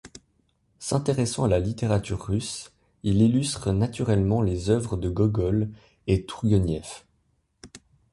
S'intéressant à la littérature russe, il illustre naturellement des œuvres de Gogol et Tourgueniev.